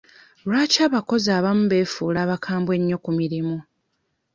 Lwaki abakozi abamu beefuula abakambwe ennyo ku mirimu?